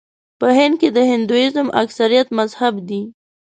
په هند کې د هندويزم اکثریت مذهب دی.